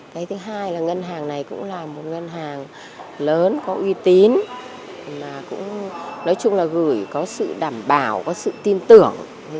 cái thứ hai là ngân hàng này cũng là một ngân hàng lớn có uy tín mà cũng nói chung là gửi có sự đảm bảo có sự tin tưởng